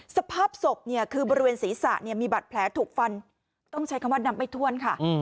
สภาพศพเนี่ยคือบริเวณศีรษะมีบัตรแผลถูกฟันต้องใช้คำว่านับไม่ถ้วนค่ะ